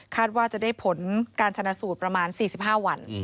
ว่าจะได้ผลการชนะสูตรประมาณ๔๕วัน